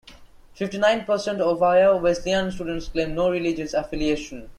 Fifty-nine percent of Ohio Wesleyan students claim no religious affiliation.